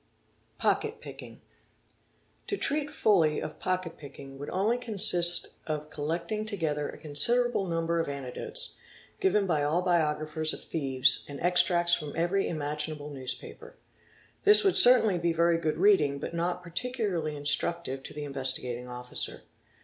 Pocket Picking. To treat fully of pocket picking would only consist of collecting ~ together a considerable number of anecdotes, given by all biographers of thieves, and extracts from every imaginable newspaper. This would certainly be very good reading but not particularly instructive to the Investigating Officer.